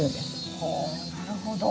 ほうなるほど。